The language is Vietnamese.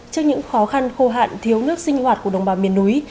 trước những khó khăn khô hạn thiếu nước sinh hoạt của đồng bào miền núi